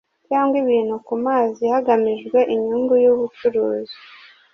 cyangwa ibintu ku mazi hagamijwe inyungu y’ ubucuruzi;